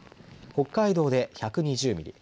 北海道で１２０ミリ